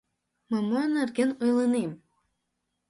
Мый мо нерген ойлынем?